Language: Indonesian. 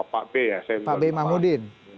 pak ben mahmudin